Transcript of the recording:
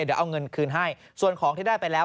เดี๋ยวเอาเงินคืนให้ส่วนของที่ได้ไปแล้ว